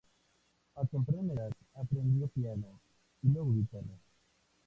A temprana edad aprendió piano, y luego guitarra.